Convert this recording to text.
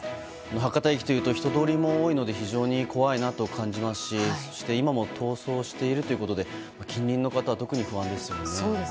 博多駅というと人通りも多いので非常に怖いなと感じますしそして、今も逃走しているということで近隣の方は特に不安ですよね。